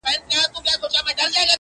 اشرف المخلوقات -